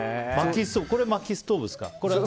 これ、まきストーブですか？